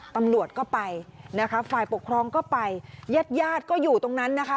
ตำรวจก็ไปฝ่ายปกครองก็ไปเย็ดก็อยู่ตรงนั้นนะคะ